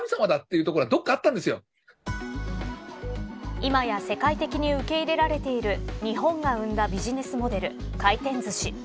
今や世界的に受け入れられている日本が生んだビジネスモデル回転ずし。